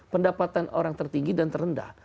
pendapatan orang tertinggi dan terendah